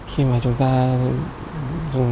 khi mà chúng ta dùng